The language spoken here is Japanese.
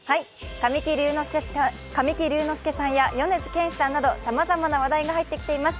神木隆之介さんや米津玄師さんなどさまざまな話題が入ってきています。